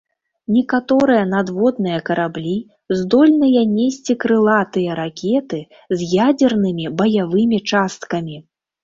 Некаторыя надводныя караблі здольныя несці крылатыя ракеты з ядзернымі баявымі часткамі.